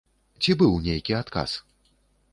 Ці быў нейкі адказ?